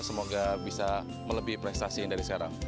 semoga bisa melebih prestasi dari sekarang